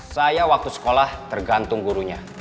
saya waktu sekolah tergantung gurunya